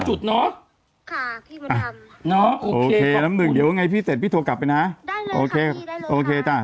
เจ้ามือก็ได้ผลประโยชน์เยอะนะคะ